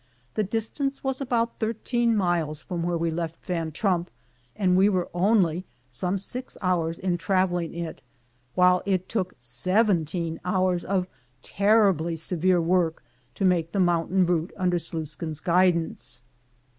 The distance was about thir 137 MOUNT RAINIEB teen miles from where we left Van Trump, and we were only some six hours in traveling it, while it took seven teen hours of terribly severe work to make the moun tain route under Sluiskin's guidance.